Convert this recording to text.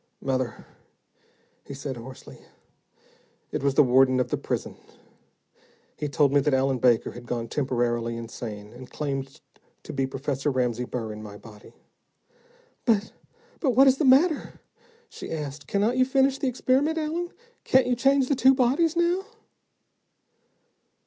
"Mother," he said hoarsely, "it was the warden of the prison. He told me that Allen Baker had gone temporarily insane, and claimed to be Professor Ramsey Burr in my body." "But but what is the matter?" she asked. "Cannot you finish the experiment, Allen? Can't you change the two bodies now?"